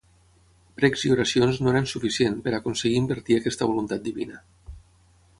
Precs i oracions no eren suficient per a aconseguir invertir aquesta voluntat divina.